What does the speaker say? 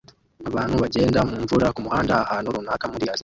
abantu bagenda mumvura kumuhanda ahantu runaka muri Aziya